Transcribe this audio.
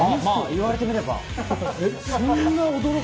言われてみれば。